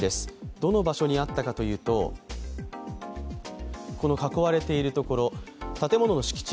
どの場所にあったかというと囲われているところが、建物の敷地